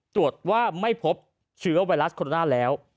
ตรวจว่าไม่พบเชื้อไวรัสโคโรนาแล้ว